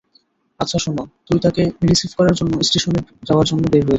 আচ্ছা শোন, তুই তাকে রিসিভ করার জন্য স্টিশনের যাওয়ার জন্য বের হয়ে যা।